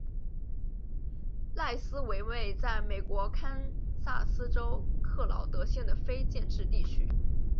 赖斯为位在美国堪萨斯州克劳德县的非建制地区。